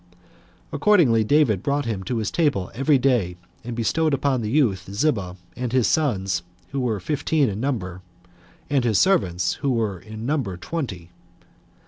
Accordingly, David brought him to his table every day, and bestowed upon the youth, Ziba and his sons, who were in number fifteen, and his servants, who were in number twenty.